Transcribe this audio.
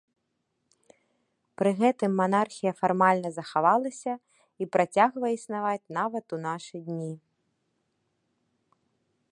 Пры гэтым манархія фармальна захавалася і працягвае існаваць нават у нашы дні.